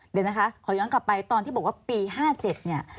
เดี๋ยวนะคะขอย้อนกลับไปตอนที่บอกว่าปี๕๗เนี่ย